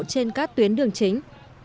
trên các tuyến đường chính